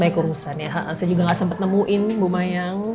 banyak urusan ya saya juga gak sempat nemuin bu mayang